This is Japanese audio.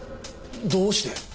どうして？